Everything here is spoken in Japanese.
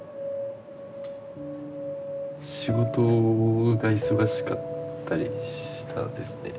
仕事が忙しかったりしたんですね。